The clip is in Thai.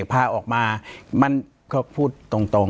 ปากกับภาคภูมิ